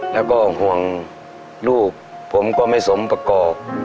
แล้วก็ห่วงลูกผมก็ไม่สมประกอบ